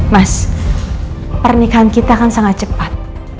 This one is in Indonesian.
mas pernikahan kita kan sangat cepat